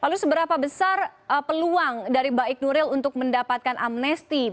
lalu seberapa besar peluang dari baik nuril untuk mendapatkan amnesti